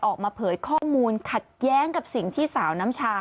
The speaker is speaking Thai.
ออกมาเผยข้อมูลขัดแย้งกับสิ่งที่สาวน้ำชา